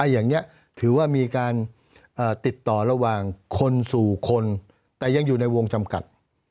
อย่างนี้ถือว่ามีการติดต่อระหว่างคนสู่คนแต่ยังอยู่ในวงจำกัด